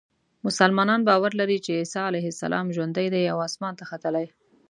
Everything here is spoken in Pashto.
مسلمانان باور لري چې عیسی علیه السلام ژوندی دی او اسمان ته ختلی.